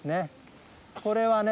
これはね